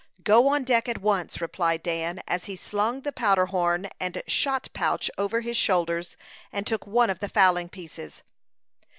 "Go on deck at once," replied Dan, as he slung the powder horn and shot pouch over his shoulders, and took one of the fowling pieces.